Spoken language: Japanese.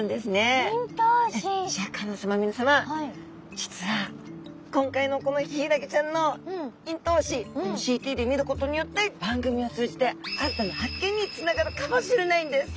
シャーク香音さま皆さま実は今回のこのヒイラギちゃんの咽頭歯ＣＴで見ることによって番組を通じて新たな発見につながるかもしれないんです！